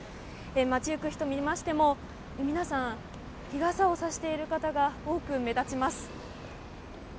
街ゆく人を見ましても皆さん、日傘をさしている方が多く目立ちます。